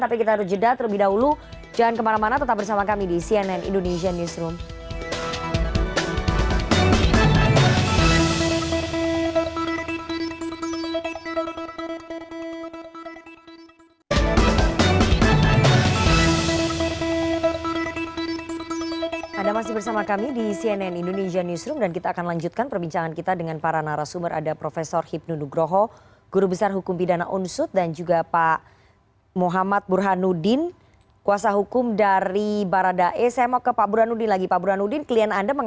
tapi kita harus jeda terlebih dahulu jangan kemana mana tetap bersama kami di cnn indonesian newsroom